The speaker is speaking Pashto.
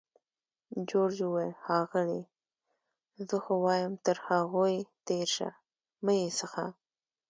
جورج وویل: ښاغلې! زه خو وایم تر هغوی تېر شه، مه یې څښه.